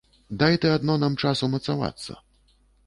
Дай ты адно нам час умацавацца.